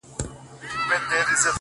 ستا د يادو لپاره؛